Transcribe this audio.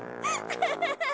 アハハハハ！